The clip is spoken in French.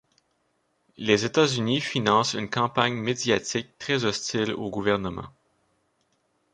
Les États-Unis financent une campagne médiatique très hostile au gouvernement.